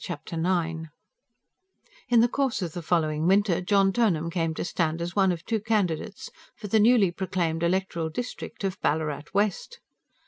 Chapter IX In the course of the following winter John Turnham came to stand as one of two candidates for the newly proclaimed electoral district of Ballarat West.